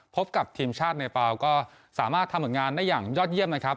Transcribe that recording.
พบกับทีมชาติเนเปล่าก็สามารถทำผลงานได้อย่างยอดเยี่ยมนะครับ